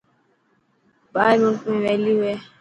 ٻاهر ملڪ ۾ ويليو هي.